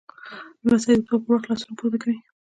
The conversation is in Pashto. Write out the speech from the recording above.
لمسی د دعا پر وخت لاسونه پورته کوي.